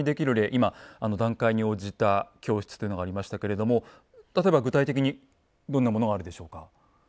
今あの段階に応じた教室というのがありましたけれども例えば具体的にどんなものがあるでしょうか。